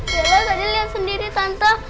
bella tadi liat sendiri tante